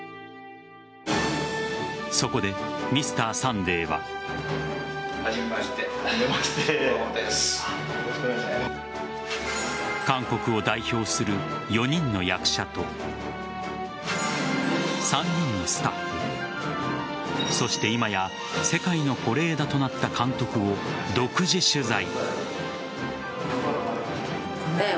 そこで「Ｍｒ．サンデー」は。韓国を代表する４人の役者と３人のスタッフそして今や世界の是枝となった監督を独自取材。